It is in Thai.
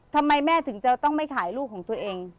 ทำไมแม่ถึงจะต้องไม่ขายลูกของตัวเอง